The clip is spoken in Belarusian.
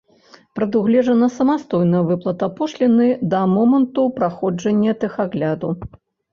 Прадугледжана самастойная выплата пошліны да моманту праходжання тэхагляду.